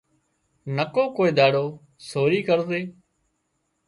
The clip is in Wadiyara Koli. نڪو ڪوئي ۮاڙو سوري ڪرزي